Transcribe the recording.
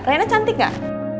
reina cantik gak